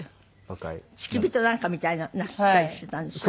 付き人なんかみたいのなすったりしてたんでしょ？